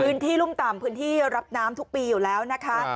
รุ่มต่ำพื้นที่รับน้ำทุกปีอยู่แล้วนะคะ